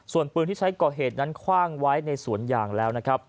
ส่วนปืนที่ใช้ก่อเหตุนั้นคว่างไว้ในสวนยางแล้วนะครับ